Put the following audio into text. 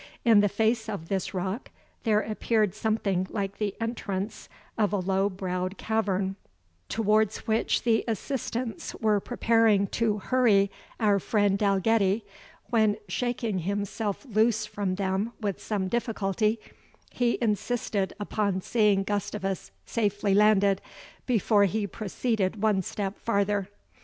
In the face of this rock there appeared something like the entrance of a low browed cavern, towards which the assistants were preparing to hurry our friend Dalgetty, when, shaking himself loose from them with some difficulty, he insisted upon seeing Gustavus safely landed before he proceeded one step farther.